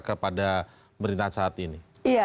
kepada pemerintahan saat ini